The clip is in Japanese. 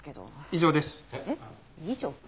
以上？